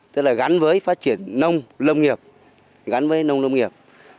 tức là gắn với phát triển nông lông nghiệp